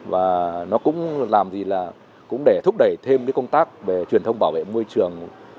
và nó cũng làm gì là cũng để thúc đẩy thêm công tác về truyền thông bảo vệ môi trường